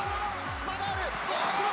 まだある！